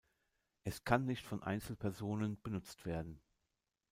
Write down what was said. Es kann nicht von Einzelpersonen benutzt werden.